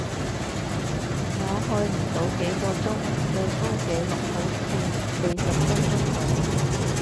我去唔到幾個鐘，最高紀錄好似四十分鐘度